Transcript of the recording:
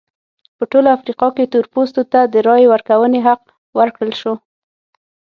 په ټوله افریقا کې تور پوستو ته د رایې ورکونې حق ورکړل شو.